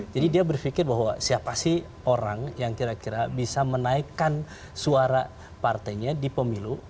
jadi dia berpikir bahwa siapa sih orang yang kira kira bisa menaikkan suara partainya di pemilu